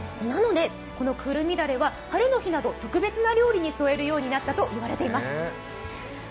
なので、このくるみだれは晴れの日など特別な料理に添えるようになったと言われています。